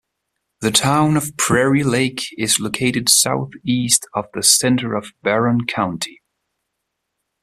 The town of Prairie Lake is located southeast of the center of Barron County.